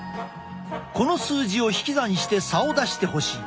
この数字を引き算して差を出してほしい。